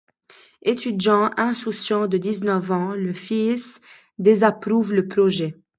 Étudiant insouciant de dix-neuf ans, le fils désapprouve le projet.